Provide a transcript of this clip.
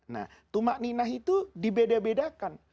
nah tumakninah itu dibeda bedakan